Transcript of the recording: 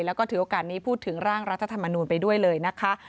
แล้วก็ถือโอกาสนี้พูดถึงร่างรัฐธรรมนูลไปด้วยเลยนะคะ